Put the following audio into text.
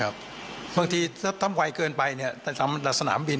บางทีถ้าไวเกินไปแต่สนามบิน